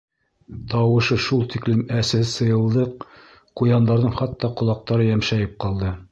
Тауышы шул тиклем әсе сыйылдыҡ, ҡуяндарҙың хатта ҡолаҡтары йәмшәйеп ҡалды.